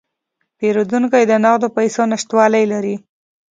پیرودونکی د نغدو پیسو نشتوالی لري.